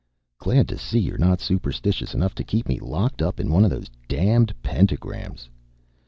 "Glad to see you're not superstitious enough to keep me locked up in one of those damned pentagrams.